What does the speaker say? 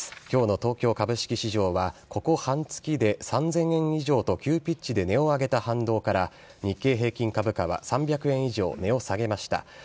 きょうの東京株式市場は、ここはんつきで３０００円以上と急ピッチで値を上げた反動から、日経平均株価は３００円以上値を下げました。